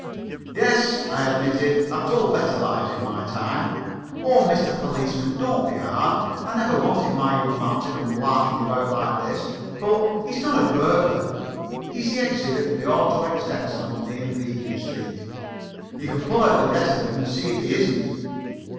"Yes," I admitted, "I've told better lies in my time. Oh, Mr. Policeman, don't be hard. I never wanted my young man to come larking about like this. But he's not a burglar. He's the exhibit from the Auto extensor Co.'s in Regent Street. You can pull out the rest of him and see if he isn't."